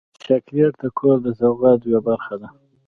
چاکلېټ د کور د سوغات یوه برخه ده.